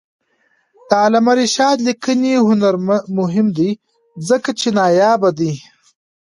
د علامه رشاد لیکنی هنر مهم دی ځکه چې نایابه دی.